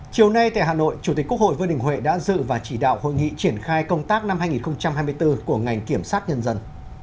chiều nay tại hà nội chủ tịch quốc hội vương đình huệ đã dự và chỉ đạo hội nghị triển khai công tác năm hai nghìn hai mươi bốn của ngành kiểm sát nhân dân